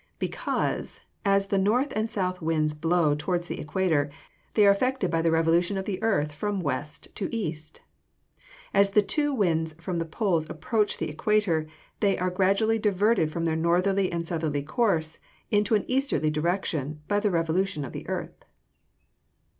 _ Because, as the north and south winds blow towards the equator, they are affected by the revolution of the earth from west to east. As the two winds from the poles approach the equator, they are gradually diverted from their northerly and southerly course, to an easterly direction, by the revolution of the earth.